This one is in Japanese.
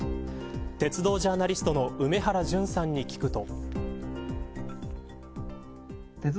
鉄道ジャーナリストの梅原淳さんに聞くと。